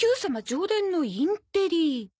常連のインテリ。